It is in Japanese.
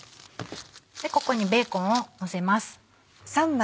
ここにベーコンをのせます。